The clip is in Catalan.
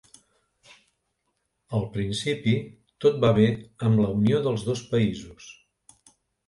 Al principi tot va bé amb la reunió dels dos països.